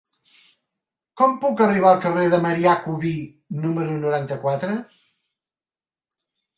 Com puc arribar al carrer de Marià Cubí número noranta-quatre?